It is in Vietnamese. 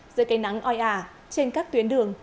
giữa cây nắng oi ả trên các tuyến đường